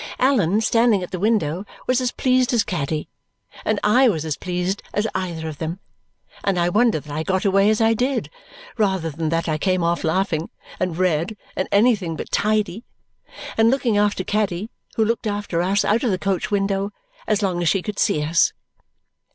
Allan, standing at the window, was as pleased as Caddy; and I was as pleased as either of them; and I wonder that I got away as I did, rather than that I came off laughing, and red, and anything but tidy, and looking after Caddy, who looked after us out of the coach window as long as she could see us.